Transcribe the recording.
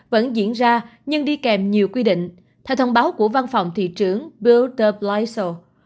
vẫn diễn ra nhưng đi kèm nhiều quy định theo thông báo của văn phòng thị trưởng bill de blasio